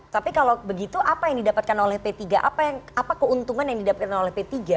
tapi kalau begitu apa yang didapatkan oleh p tiga apa keuntungan yang didapatkan oleh p tiga